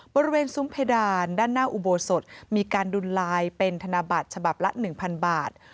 ซุ้มเพดานด้านหน้าอุโบสถมีการดุลลายเป็นธนบัตรฉบับละ๑๐๐บาท